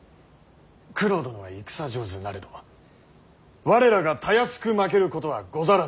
九郎殿は戦上手なれど我らがたやすく負けることはござらぬ。